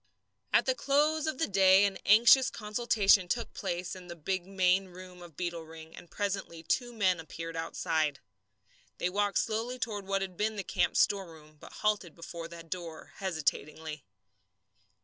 At the close of the day an anxious consultation took place in the big main room of Beetle Ring, and presently two men appeared outside. They walked slowly toward what had been the camp's storeroom, but halted before the door hesitatingly.